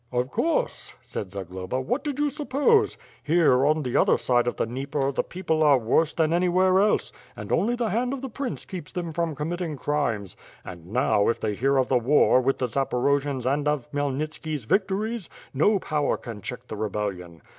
"Of course," said Zagloba, "what did you suppose. Here, on the other side of the Dnieper, the people are worse than anywhere else, and only the hand of the prince keeps them from committing crimes, and now, if they hear of the war with the Zaporojians and of Khmyelnitski's victories, no power can check the rebellion.